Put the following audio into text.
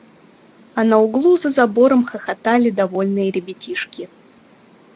А на углу за забором хохотали довольные ребятишки.